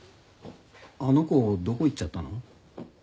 あの子どこ行っちゃったの？